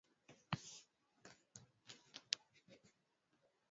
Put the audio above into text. hasan ruvakuki ni mwandishi wa rfi wa nchini burundi